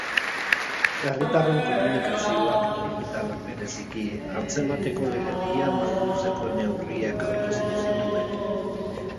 Herritarren komunikazioak, digitalak bereziki, atzemateko legedia malgutzeko neurriak aurkeztu zituen.